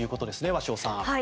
鷲尾さん。